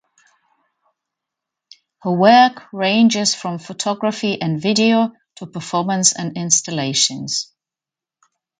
Her work ranges from photography and video to performance and installations.